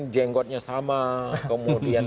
jenggotnya sama kemudian